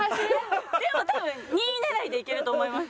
でも多分２位狙いでいけると思います。